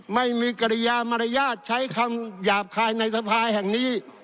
ไม่มีกัลอยามรายชาติใช้คำหยาบคายในภายแข่งนี้